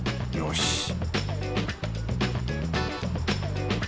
よし